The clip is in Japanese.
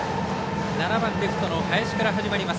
７番レフトの林から始まります。